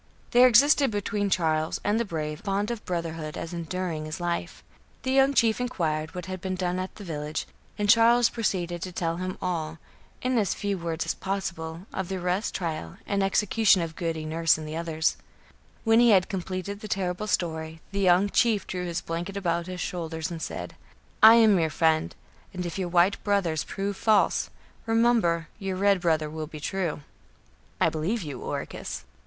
There existed between Charles and the brave a bond of brotherhood as enduring as life. The young chief inquired what had been done at the village, and Charles proceeded to tell him all, in as few words as possible, of the arrest, trial and execution of Goody Nurse and others. When he had completed the terrible story, the young chief drew his blanket about his shoulders and said: "I am your friend, and if your white brothers prove false, remember your red brother will be true." "I believe you, Oracus."